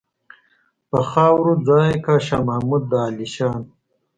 په خاورو ځای کا شاه محمود د عالیشان.